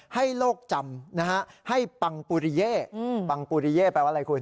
ให้โลกจำนะฮะให้ปังปุริเย่ปังปุริเย่แปลว่าอะไรคุณ